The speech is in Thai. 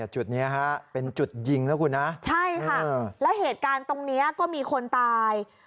จุดนี้ฮะเป็นจุดยิงนะคุณนะใช่ค่ะแล้วเหตุการณ์ตรงนี้ก็มีคนตาย